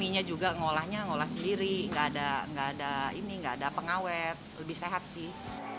mie nya juga ngolahnya ngolah sendiri nggak ada pengawet lebih sehat sih